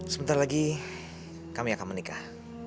sebentar lagi kami akan menikah